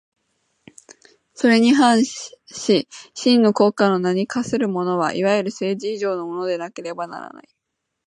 これに反し真の国家の名に価するものは、いわゆる政治以上のものでなければならない。